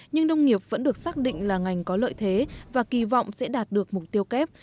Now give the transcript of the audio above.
nhưng nông nghiệp vẫn được xác định là ngành có lợi thế và kỳ vọng sẽ đạt được mục tiêu kép